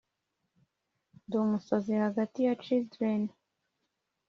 ndumusazi hagati ya chil'ren,'